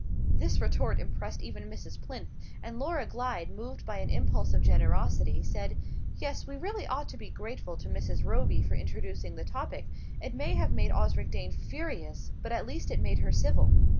This retort impressed even Mrs. Plinth, and Laura Glyde, moved by an impulse of generosity, said: "Yes, we really ought to be grateful to Mrs. Roby for introducing the topic. It may have made Osric Dane furious, but at least it made her civil."